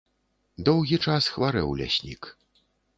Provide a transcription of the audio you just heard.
Доўгі час хварэў ляснік.